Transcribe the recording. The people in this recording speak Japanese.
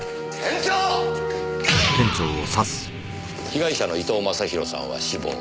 被害者の伊藤昌洋さんは死亡。